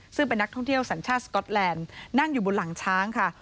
ซึ่งเป็นนักท่องเที่ยวสัญชาติสก๊อตแลนด์นั่งอยู่บนหลังช้างค่ะ